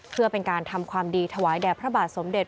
เพื่อเป็นการทำความดีถวายแด่พระบาทสมเด็จ